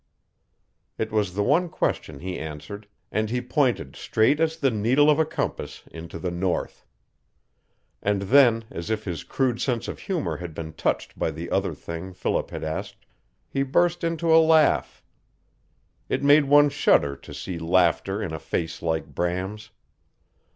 It was the one question he answered, and he pointed straight as the needle of a compass into the north. And then, as if his crude sense of humor had been touched by the other thing Philip had asked, he burst into a laugh. It made one shudder to see laughter in a face like Bram's.